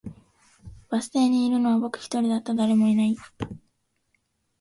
バス停にいるのは僕一人だった、誰もいない